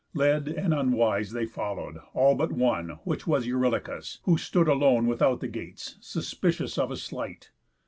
Led, and unwise, they follow'd; all but one, Which was Eurylochus, who stood alone Without the gates, suspicious of a sleight.